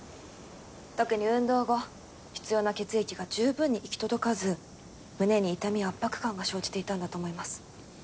特に運動後必要な血液がじゅうぶんに行き届かず胸に痛みや圧迫感が生じていたんだと思います。